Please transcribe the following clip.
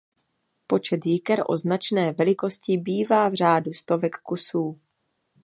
Počet jiker o značné velikosti bývá v řádu stovek kusů.